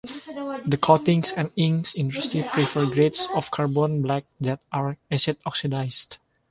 The coatings and inks industries prefer grades of carbon black that are acid-oxidized.